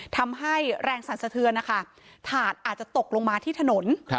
ทำให้แรงสั่นสะเทือนนะคะถาดอาจจะตกลงมาที่ถนน